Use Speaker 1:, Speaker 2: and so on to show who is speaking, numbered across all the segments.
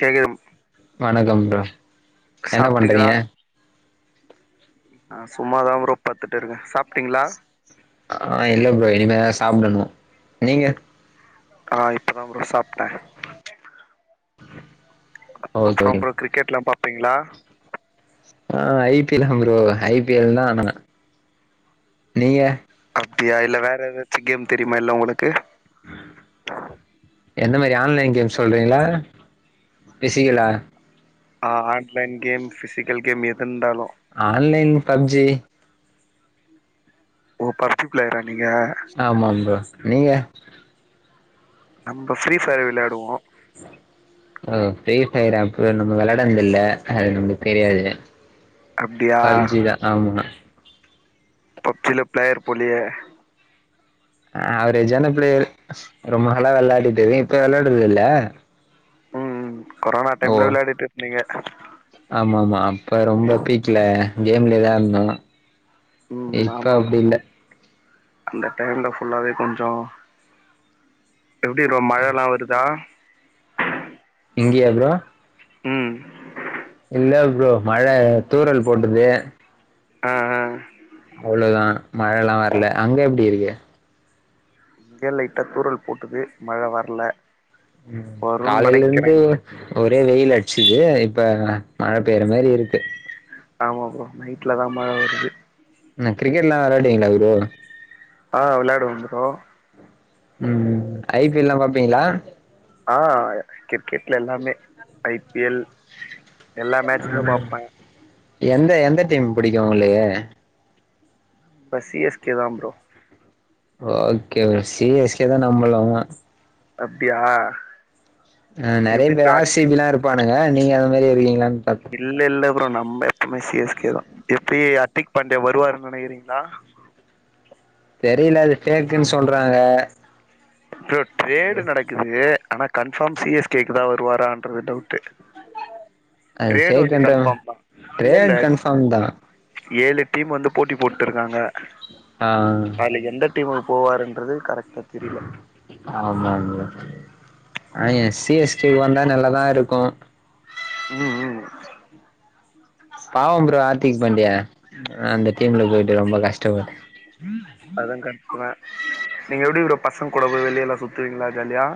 Speaker 1: கேட்குது
Speaker 2: வணக்கம் ப்ரோ என்ன
Speaker 1: சாப்ட்டீங்ளா
Speaker 2: பண்றீங்க
Speaker 1: சும்மாதா ப்ரோ பாத்துட்டு இருக்க சாப்ட்டீங்ளா
Speaker 2: அ இல்ல ப்ரோ இனிமேதா சாப்டணு நீங்க
Speaker 1: அ இப்பதா ப்ரோ சாப்ட்ட
Speaker 2: ஓகே
Speaker 1: அப்றோ
Speaker 2: ஓகே
Speaker 1: ப்ரோ கிரிக்கெட்லா பாப்பீங்ளா
Speaker 2: அ I P L bro I P L தா நா நீங்க
Speaker 1: அப்டியா இல்ல வேற எதாச்சும் கேம் தெரியுமா இல்ல உனக்கு
Speaker 2: எந்த மாரி ஆன்லைன் கேம் சொல்றீங்ளா ஃபிசிகளா
Speaker 1: ஆ ஆன்லைன் கேம் ஃபிசிக்கல் கேம் எதுண்டாலும்
Speaker 2: ஆன்லைன் பப்ஜி
Speaker 1: ஓ ஃபர்ஸ்டு பிளேயரா நீங்க
Speaker 2: ஆமா ப்ரோ நீங்க
Speaker 1: நம்ம ஃப்ரீ ஃபயர் விளையாடுவோ
Speaker 2: [unintelligible] ஓ ஃப்ரீ ஃபயரா ப்ரோ நம்ம வெளாடுனதில்ல அது நமக்கு தெரியாது
Speaker 1: அப்டியா
Speaker 2: பப்ஜி தா ஆமா
Speaker 1: பப்ஜில பிளேயர் போலியே
Speaker 2: அ அவரேஜான பிளேயர் ரொம்ப நாளா வெளாடிடு இருந்த இப்ப வெளாடுறது இல்ல
Speaker 1: ம் கொரோனா
Speaker 2: ஓ
Speaker 1: டைம்ல வெளாடிட்டு இருந்தீங்க
Speaker 2: ஆமா ஆமா அப்ப ரொம்ப பீக்ல கேம்லயே தா இருந்தோ
Speaker 1: ம்
Speaker 2: இப்ப
Speaker 1: ஆமா ப்ரோ.
Speaker 2: அப்டி இல்ல
Speaker 1: அந்த டைம்ல ஃபுல்லாவே கொஞ்சோ எப்டி ப்ரோ மழல்லா வருதா
Speaker 2: இங்கயா ப்ரோ
Speaker 1: ம்
Speaker 2: இல்ல ப்ரோ மழ தூறல் போட்டுது
Speaker 1: ஆ ஆ
Speaker 2: அவ்ளோதா மழலா வர்ல அங்க எப்டி இருக்கு
Speaker 1: இங்க லைட்டா தூறல் போட்டது மழ வர்ல
Speaker 2: ம் காலேல இருந்து ஒரே வெயில் அடிச்சது இப்ப மழ பெய்ற மாரி இருக்கு
Speaker 1: ஆமா ப்ரோ நைட்ல தா மழ வருது
Speaker 2: என்ன கிரிக்கெட் எல்லா விளையாடுவீங்களா ப்ரோ
Speaker 1: ஆ விளையாடுவே ப்ரோ
Speaker 2: ம் ஐ பி எல் எல்லா பாப்பீங்ளா
Speaker 1: ஆ கிரிக்கெட்ல எல்லாமே ஐ பி எல் எல்லா மேட்சுமே
Speaker 2: ஆ
Speaker 1: பாப்பே
Speaker 2: எந்த எந்த டீம் பிடிக்கும் உங்களுக்கு
Speaker 1: பஸ் சி எஸ் கே தா bro
Speaker 2: okay C S K தா நம்பலாமா
Speaker 1: அப்டியா
Speaker 2: ஆ நெறைய
Speaker 1: எப்டி
Speaker 2: பேர்
Speaker 1: ப்ரோ
Speaker 2: ஆர் சி பி லா இருப்பானுங்க நீங்க அது மாரி இருக்கீங்களானு பாத்
Speaker 1: இல்ல இல்ல ப்ரோ நம்ம எப்பவுமே சி எஸ் கே தா எப்டி ஹர்த்திக் பாண்டியா வருவார்னு நெனைக்கிறீங்களா
Speaker 2: தெரியல அது ஃபேக்னு சொல்றாங்க
Speaker 1: ப்ரோ ட்ரேடு நடக்குது ஆனா கன்ஃபார்ம் சி எஸ் கே க்கு தா வருவாரான்றது டவுட்
Speaker 2: அது
Speaker 1: ட்ரேடு வந்து
Speaker 2: ஃபேக்குன்ற
Speaker 1: கன்ஃபார்ம் தா இல்ல இல்ல
Speaker 2: ட்ரேட் கன்ஃபார்ம் தா
Speaker 1: ஏழு டீம் வந்து போட்டி போட்டுட்ருக்காங்க
Speaker 2: ஆ
Speaker 1: அதுல எந்த டீமுக்கு போவாருன்றது கரெக்டா தெரில
Speaker 2: ஆமாங்க ஆன சி எஸ் கே க்கு வந்தா நல்லாதா இருக்கும்
Speaker 1: ம் ம்
Speaker 2: பாவம் ப்ரோ ஹார்த்திக் பாண்டியா அந்த டீம்ல போயிட்டு ரொம்ப கஷ்டப்படு
Speaker 1: அதா கரெக்ட்தா நீங்க எப்டி ப்ரோ பசங்க கூடவு வெளிய எல்லா சுத்துவீங்களா ஜாலியா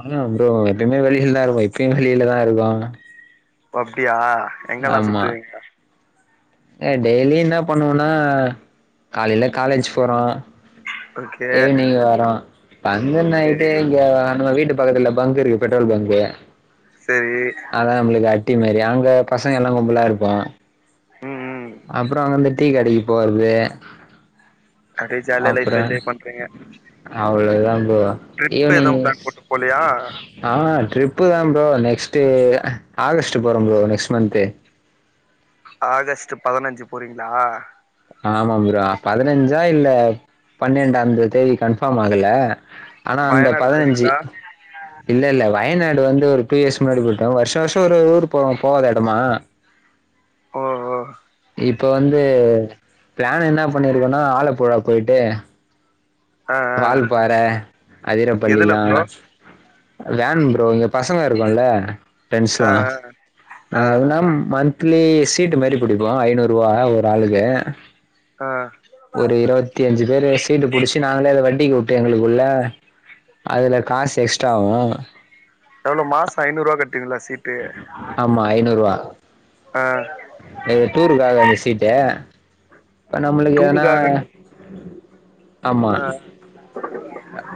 Speaker 2: ஆமா ப்ரோ எப்பவுமே வெளியில தா இருக்கோம் இப்பயும் வெளியிலதா இருக்கோம்
Speaker 1: ஓ அப்டியா எங்கெல்லா சுத்துவீங்க
Speaker 2: எ டெய்லியும் என்ன பண்ணுவனா காலையில காலேஜ் போறோ
Speaker 1: ஓகே
Speaker 2: ஈவினிங்க் வர்றோ வந்து நைட்டு
Speaker 1: செரி
Speaker 2: இங்க நம்ம வீட்டு பக்கத்துல பங்க் இருக்கு பெட்ரோல் பங்க்கு
Speaker 1: செரி
Speaker 2: அதா நம்மளுக்கு அட்டி மாரி அங்க பசங்க எல்லா கும்பலா இருப்போ
Speaker 1: ம் ம்
Speaker 2: அப்புறோ அங்கந்த டீ கடைக்கு போறது
Speaker 1: அப்டியே ஜாலியா லைஃப்
Speaker 2: அப்புறோ
Speaker 1: என்ஜாய் பண்றீங்க
Speaker 2: அவ்ளோ தா ப்ரோ
Speaker 1: ட்ரிப்
Speaker 2: ஈவினிங்
Speaker 1: எதும் பிளான் போட்டு போலையா
Speaker 2: ஆ ட்ரிப்பு தான் ப்ரோ நெக்ஸ்ட் ஆகஸ்ட் போறோம் ப்ரோ நெஸ்ட் மந்த்து
Speaker 1: ஆகஸ்ட் பதுனஞ்சு போறீங்களா
Speaker 2: ஆமா ப்ரோ பதுனஞ்சா இல்ல பன்னெண்டு அந்த தேதி கன்ஃபார்ம் ஆகல ஆனா அந்த
Speaker 1: வயநாடு
Speaker 2: பதுனஞ்சு
Speaker 1: போறீங்களா
Speaker 2: இல்ல இல்ல வயநாடு வந்து ஒரு டூ இயர்ஸ் முன்னாடி போயிட்டோ வருஷம் வருஷம் ஒரு ஊர் போவு போவாத எடமா
Speaker 1: ஓஹோ
Speaker 2: இப்போ வந்து பிளான் என்ன பண்ணியிருக்கோன்னா ஆலப்புழா போயிட்டு
Speaker 1: ஆ ஆ
Speaker 2: வால்பாற
Speaker 1: எதுல
Speaker 2: அதிரப்பள்ளிலா
Speaker 1: ப்ரோ
Speaker 2: வேன் ப்ரோ இங்க பசங்க இருக்கும்ல
Speaker 1: ஆ
Speaker 2: ஃப்ரெண்ட்ஸ்லா
Speaker 1: ஆ
Speaker 2: நாங்க எப்டினா
Speaker 1: ஆ
Speaker 2: மந்த் மந்த்லி சீட்டு மாரி பிடிப்போ ஐநூரூவா ஒரு ஆளுக்கு
Speaker 1: ஆ
Speaker 2: ஒரு இருவத்தி அஞ்சு பேரு சீட்டு புடிச்சு நாங்களே அத வட்டிக்கு வுட்டு எங்களுக்குள்ள அதுல காஸ் எக்ஸ்ட்ராவும்
Speaker 1: எவ்ளோ மாசோ ஐநூரூவா கட்டுவீங்ளா சீட்
Speaker 2: ஆமா ஐநூரூவா
Speaker 1: ஆ
Speaker 2: இது டூருக்காக அந்த சீட்டு இப்ப நம்ளுக்கு வேனா
Speaker 1: டூருக்காகன்னு ஆ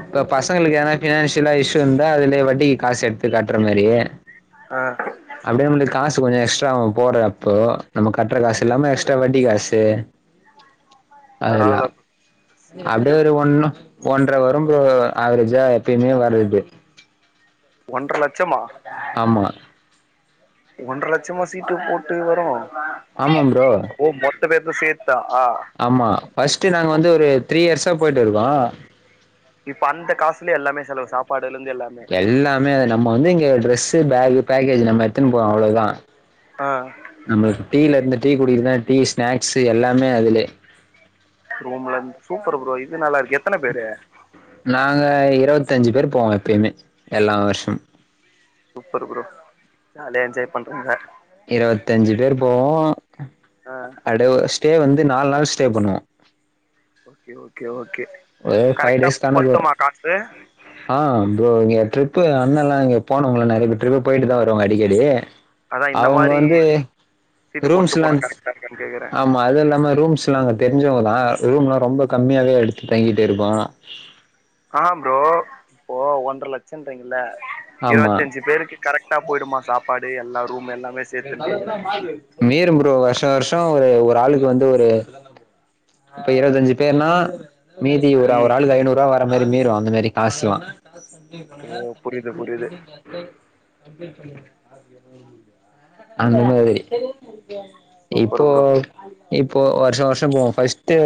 Speaker 2: இப்ப பசங்களுக்கு ஏதுனா பினான்சியலா இஷ்யூ இருந்தா அதுலயே வட்டிக்கு காசு எடுத்து காட்டுற மாரி
Speaker 1: ஆ
Speaker 2: அப்டியே வந்து காசு கொஞ்சோ எஸ்ட்ரா ஆவு போடுறப்போ நம்ம கட்டுற காசு இல்லாம எக்ஸ்ட்ரா வட்டி காசு
Speaker 1: பரவால்ல
Speaker 2: அதுல்லாம்
Speaker 1: ப்ரோ சீட்டு
Speaker 2: அப்டியே ஒரு
Speaker 1: புடிங்க
Speaker 2: ஒண்ணு ஒன்ற வரும் ப்ரோ அவரேஜா எப்பயுமே வரது
Speaker 1: ஒன்ற லச்சமா
Speaker 2: ஆமா
Speaker 1: ஒன்ர லச்சமா சீட்டு போட்டு வரு
Speaker 2: ஆமா ப்ரோ
Speaker 1: ஓ மொத்த பேத்து சேத்தா
Speaker 2: ஆமா ஃபர்ஸ்ட்டு நாங்க வந்து ஒரு த்ரீ இயர்ஸா போய்ட்டுருக்கோ
Speaker 1: இப்ப அந்த காசுலே எல்லாமே செலவு சாப்பாடுல இருந்து எல்லாமே
Speaker 2: எல்லாமே அது நம்ம வந்து இங்க டிரெஸ்சு பகு பேக்கேஜ் நம்ம எட்துன் போவோ அவ்ளோதா
Speaker 1: ஆ
Speaker 2: நம்ம டீல இருந்து டீ குடிக்கிருதா டீ ஸ்நாக்ஸ்சு எல்லாமே அதுல
Speaker 1: ரூம்லந்து சூப்பர் ப்ரோ இது நல்லா இருக்கு எத்தன பேரு
Speaker 2: நாங்க இருவத்தஞ்சு பேர் போவோ எப்பயுமே எல்லா வருஷம்
Speaker 1: சூப்பர் ப்ரோ ஜாலியா என்ஜாய் பண்றீங்க
Speaker 2: இருபத்தஞ்சு பேர் போவோ
Speaker 1: ஆ
Speaker 2: அட‌ ஸ்டே வந்து நாலு நாள் ஸ்டே பண்ணுவோ
Speaker 1: ஓகே ஓகே ஓகே
Speaker 2: ஒரு ஃபைவ்
Speaker 1: கரெக்டா
Speaker 2: டேஸ் கணக்கு வரு
Speaker 1: பத்துமா காசு
Speaker 2: ஆ ப்ரோ இங்க ட்ரிப்பு அண்ணல்லா இங்க போனவங்கலா நிறைய ட்ரிப்பு போய்ட்டு தா வருவாங்க அடிக்கடி
Speaker 1: அதா இந்த
Speaker 2: அவங்க
Speaker 1: மாரி
Speaker 2: வந்து
Speaker 1: சீட்டு போட்டு போனா
Speaker 2: ரூம்ஸ்லந்து
Speaker 1: கரெக்டா இருக்கான்னு கேக்குறே
Speaker 2: ஆமா அது இல்லாம ரூம்ஸ்லா அங்க தெரிஞ்சவங்கதா ரூம்லா ரொம்ப கம்மியாவே எடுத்து தங்கிட்டு இருப்போ
Speaker 1: ஆ ப்ரோ இப்போ ஒன்ர லச்சோன்றீங்கல்ல
Speaker 2: ஆமா
Speaker 1: இருவத்தஞ்சி பேருக்கு கரெக்டா போய்டுமா சாப்பாடு எல்லா ரூம் எல்லாமே சேர்த்துன்னு கேக்குறே
Speaker 2: மீறும் ப்ரோ வருஷோ வருஷோ ஒரு ஒரு ஆளுக்கு வந்து ஒரு இப்ப இருபத்தஞ்சு பேர்னா மீதி ஒரு
Speaker 1: ம்
Speaker 2: ஒரு ஆளுக்கு ஐநூரூவா வர மாரி மீறு அந்த மாரி காசுலா [inaudible]
Speaker 1: ஓ புரியுது புரியுது
Speaker 2: அந்த
Speaker 1: அப்டியா
Speaker 2: மாரி
Speaker 1: சூப்பர்
Speaker 2: இப்போ
Speaker 1: ப்ரோ
Speaker 2: இப்போ வருஷோ வருஷோ போவோ ஃபர்ஸ்ட்டு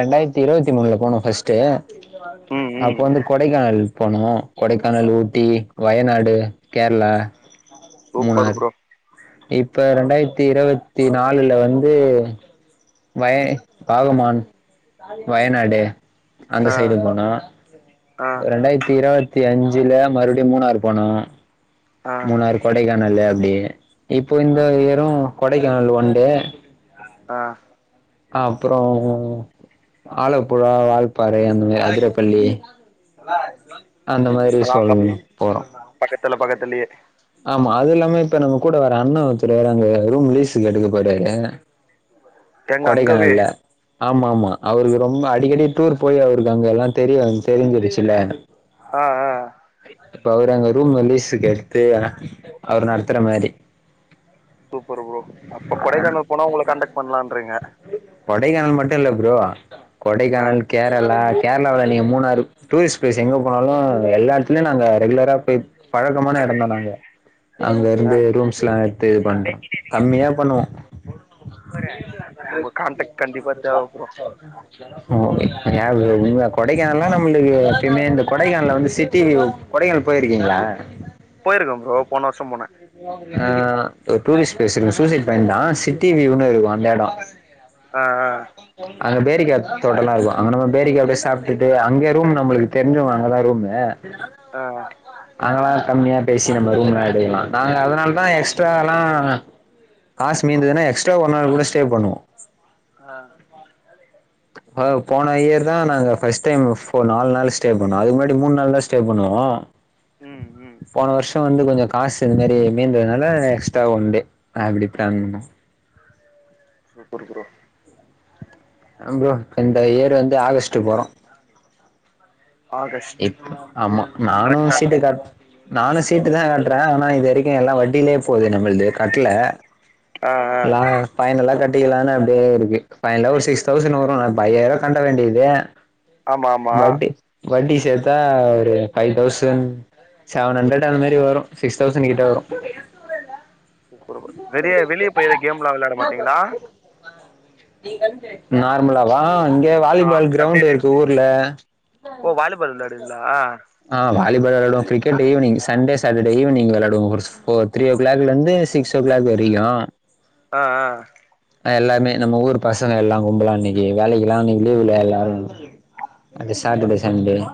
Speaker 2: ரெண்டாயிரத்தி இருவத்தி மூணுல போனோ ஃபர்ஸ்ட்டு
Speaker 1: ம்
Speaker 2: அப்போ
Speaker 1: ம்
Speaker 2: வந்து கொடைக்கானல் போனோ கொடைக்கானல் ஊட்டி வயநாடு கேரளா
Speaker 1: சூப்பர்
Speaker 2: மூணார்
Speaker 1: ப்ரோ
Speaker 2: இப்ப ரெண்டாயிரத்தி இருவத்தி நாள்ல வந்து வய வாகமான் வயநாடு அந்த
Speaker 1: ஆ
Speaker 2: சைடு போனோ
Speaker 1: ஆ
Speaker 2: ரெண்டாயிரத்தி இருவத் த்தி அஞ்சுல மறுபடி மூணாறு போனோ
Speaker 1: ஆ
Speaker 2: மூணாறு கொடைக்கானலு அப்டியே இப்போ இந்த
Speaker 1: ஆ
Speaker 2: இயரு கொடைக்கானலு ஒன் டே
Speaker 1: ஆ
Speaker 2: அப்பறோ ஆலப்புழா வால்பாறை அந்த மாரி அதிரப்பள்ளி அந்த மாரி இ
Speaker 1: அதா அங்க
Speaker 2: சொல் போறோ
Speaker 1: பக்கத்துல பக்கத்துலியே
Speaker 2: ஆமா அது இல்லாம இப்ப நம்ம கூட வர அண்ண வச்சிருவாரு அங்க ரூம் லீஸுக்கு எடுக்க போறாரு
Speaker 1: எங்க அங்கவே
Speaker 2: கொடைக்கானல்ல ஆமாமா அவருக்கு ரொம்ப அடிக்கடி டூர் போய் அவருக்கு அங்க எல்லா தெரிய வந் தெரிஞ்சிருச்சுல்ல
Speaker 1: ஆ‌ ஆ
Speaker 2: இப்ப அவரு அங்க ரூம லீஸுக்கு எடுத்து அவரு நடத்துற மாரி
Speaker 1: சூப்பர் ப்ரோ அப்ப கொடைக்கானல் போனா உங்கள காண்டக்ட் பண்ணலான்றீங்க
Speaker 2: கொடைக்கானல் மட்டு இல்ல ப்ரோ
Speaker 1: ஆ
Speaker 2: கொடைக்கானல், கேரளா கேரளாவுல நீங்க மூணாறு டூரிஸ்ட் பிளேஸ் எங்க போனாலு எல்லா இடத்துலயு நாங்க ரெகுலரா போய் பழக்கமான எடோந்தா நாங்க அங்க
Speaker 1: ஆ
Speaker 2: இருந்து ரூம்ஸ்ல்லா எடுத்து இது பண்றோ கம்மியா பண்ணுவோ
Speaker 1: போற
Speaker 2: இது காப்பிய [unintelligible] ஓ ஏ ப்ரோ இங்க கொடைக்கானல்னா நம்மளுக்கு சென்னை இந்த கொடைக்கானல வந்து சிட்டி கொடைக்கானல் போயிருக்கீங்களா
Speaker 1: போயிருக்கே ப்ரோ போன வருஷோ போனே
Speaker 2: ஆ ஒரு டூரிஸ்ட் பிளேஸ் இங்க சூசைட் பாயிண்ட் தா சிட்டி வியூன்னு இருக்கு அந்த எடோ
Speaker 1: ஆ ஆ
Speaker 2: அங்க பேரிக்கா தோட்டெல்லா இருக்கு அங்க நம்ம பேரிக்கா அப்டியே சாப்ட்டுடே அங்கயே ரூம் நம்மளுக்கு தெரிஞ்சவங்க அங்கதா ரூமு ஆ
Speaker 1: ஆ
Speaker 2: அங்கெல்லா கம்மியா பேசி நம்ம ரூம்லா எடுக்கலா நாங்க அதனாலதா எக்ஸ்ட்ராலா காசு மீந்ததுனா எக்ஸ்ட்ரா ஒரு நாள் கூட ஸ்டே பண்ணுவோ
Speaker 1: ஆ
Speaker 2: அதாவது போன இயர் தா நாங்க ஃபர்ஸ்ட் டைம் ஃபோ நாலு நாள் ஸ்டே பண்ணோ அதுக்கு முன்னாடி மூணு நாள் தா ஸ்டே பண்ணுவோ
Speaker 1: ம் ம்
Speaker 2: போன வருஷோ வந்து கொஞ்சோ காசு இந்த மாரி மீந்ததுனால எக்ஸ்ட்ரா ஒன் டே அப்டி பிளான் பண்ணோ
Speaker 1: சூப்பர் ப்ரோ
Speaker 2: ஆ ப்ரோ இந்த இயர் வந்து ஆகஸ்ட் போறோ
Speaker 1: ஆகஸ்ட்
Speaker 2: இப்ப ஆமா நானு
Speaker 1: கரெக்டான
Speaker 2: சீட்டு
Speaker 1: டைம்
Speaker 2: கட் நானு சீட்டு தா கட்றே ஆனா இது வரைக்கு எல்லா வட்டியிலயே போது நம்மளது கட்ல
Speaker 1: ஆ ஆ
Speaker 2: லா ஃபைனலா கட்டிக்கலான்னு அப்டியே இருக்கு ஃபைனலா ஒரு சிக்ஸ் தௌஸண்ட் வரு அப்ப ஐயாயிரோ கட்ட வேண்டியது
Speaker 1: ஆமா ஆமா
Speaker 2: வட்டி வட்டி சேத்தா ஒரு ஃபைவ் தௌசண்ட் செவன் ஹண்ட்ரட் அந்த மாரி வரு சிக்ஸ் தௌசண்ட் கிட்ட வரு
Speaker 1: சூப்பர் ப்ரோ வெளிய வெளிய போய் ஏதா கேம்லா விளாட மாட்டீங்களா
Speaker 2: நார்மலாவா இங்க
Speaker 1: ஆ
Speaker 2: வாலிபால்
Speaker 1: சண்டே
Speaker 2: கிரௌண்ட் இருக்கு
Speaker 1: டைம்ல
Speaker 2: ஊர்ல
Speaker 1: ஓ வாலிபால் விளாடுவீங்கலா
Speaker 2: ஆ வாலிபால் விளாடுவோ cricket evening Sunday Saturday evening விளாடுவோ ஒரு ஃபோ த்ரீ ஓ கிளாக்ல இருந்து சிக்ஸ் ஓ கிளாக் வரைக்கு
Speaker 1: ஆ ஆ
Speaker 2: ஆ எல்லாமே நம்ம ஊர் பசங்க எல்லா கும்பலா அன்னக்கி வேலைக்கெல்லா அன்னக்கி லீவுல்ல எல்லாரு அடுத்து சட்டர்டே
Speaker 1: சூப்பர் ப்ரோ
Speaker 2: சன்டேல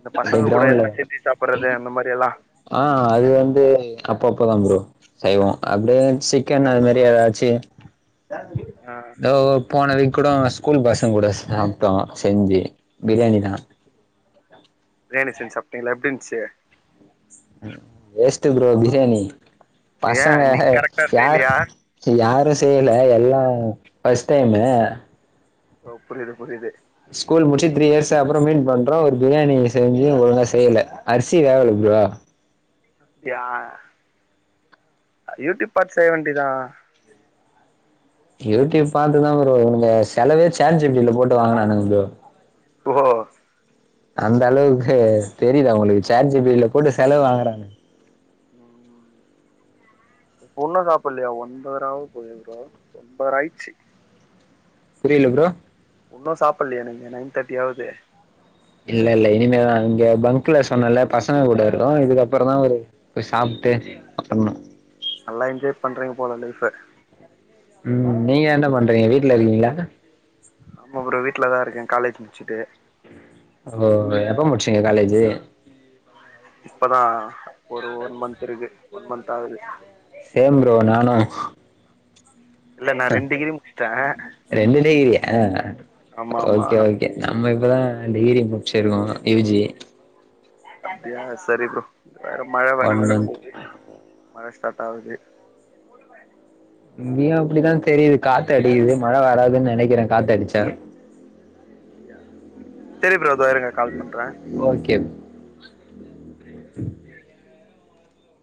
Speaker 1: இந்த பசங்க
Speaker 2: போய்
Speaker 1: கூட
Speaker 2: கிரௌண்ட்ல
Speaker 1: எதுனா செஞ்சு சாப்புட்றது அந்த மாரி எல்லா
Speaker 2: ஆ அது வந்து அப்ப அப்பதா ப்ரோ செய்வோ அப்டியே சிக்கன் அது மாரி ஏதாச்சு
Speaker 1: ஆ
Speaker 2: இதோ போன வீக் கூட ஸ்கூல் பசங்க கூட சாப்ட்டோ செஞ்சி பிரியாணிதா
Speaker 1: பிரியாணி செஞ்சி சாப்ட்டீங்களா எப்டி இருந்துச்சி
Speaker 2: வேஸ்ட் ப்ரோ பிரியாணி
Speaker 1: ஏ
Speaker 2: பசங்க
Speaker 1: நீங்க கரெக்டா
Speaker 2: யார்
Speaker 1: செய்யலையா
Speaker 2: யாரு செய்யல எல்லா ஃபர்ஸ்ட் டைமு
Speaker 1: ஓ புரியிது புரியிது
Speaker 2: ஸ்கூல் முடிச்சி த்ரீ இயர்ஸ் அப்பறோ மீட் பண்றோ ஒரு பிரியாணி செஞ்சி ஒழுங்கா செய்யல அரிசி வேவல ப்ரோ
Speaker 1: அப்டியா யூடியூப் பாத்து செய்ய வேண்டிதா
Speaker 2: யூடியூப் பாத்துதா ப்ரோ உங்க செலவே சாட் ஜி பி டில போட்டு வாங்குனானுங்க ப்ரோ
Speaker 1: ஓ‌ஹோ
Speaker 2: அந்த அளவுக்கு தெரியல அவுங்களுக்கு சார்ஜிபிடில கூட்டு செலவு வாங்குறானுங்க
Speaker 1: ம் ஒண்ணு சாப்ட்லையா ஒன்பதராவ போதே ப்ரோ ஒன்பதர ஆய்ச்சு
Speaker 2: புரில ப்ரோ
Speaker 1: உன்னு சாப்புலையா நீங்க நைன் தேர்ட்டி ஆவுது
Speaker 2: இல்லேல்ல இனிமேதா இங்க பங்க்ல சொன்னல பசங்க கூட இருக்கோ இதுக்கப்பறந்தா ஒரு போய் சாப்ட்டு அப்ரமா
Speaker 1: நல்லா என்ஜாய் பண்றீங்க போல லைஃப்ப
Speaker 2: ம் நீங்க என்ன பண்றீங்க வீட்ல இருக்கீங்ளா
Speaker 1: ஆமா ப்ரோ வீ்ட்லதா இருக்கே காலேஜ் முச்சுட்டு
Speaker 2: ஓ எப்ப முடிச்சிங்க காலேஜு
Speaker 1: இப்பதா ஒரு ஒன் மந்த்த் இருக்கு ஒன் மந்த்தாகுது
Speaker 2: சேம் ப்ரோ நானு
Speaker 1: இல்ல நான் ரெண்ட் டிகிரி முடிச்சிட்டே
Speaker 2: ரெண்டு டிகிரியா
Speaker 1: ஆமா ஆமா
Speaker 2: ஓகே ஓகே ஏ நம்ம இப்பதா டிகிரி முடிச்சிருக்கோ யூ ஜி
Speaker 1: அப்டியா செரி ப்ரோ வேற மழ வேற
Speaker 2: ஒன்
Speaker 1: வர
Speaker 2: மந்த்
Speaker 1: போகுது மழ ஸ்டார்டாவுது
Speaker 2: இங்கேயு அப்டிதா தெரியுது காத்து அடியுது மழ வராதுன்னு நெனைக்கிறே காத்தடிச்சா
Speaker 1: சேரி ப்ரோ இதோருங்க
Speaker 2: ஓகே